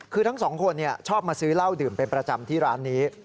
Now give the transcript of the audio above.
คือทั้งสองคนชอบมาซื้อเหล้าดื่มเป็นประจำที่ร้านนี้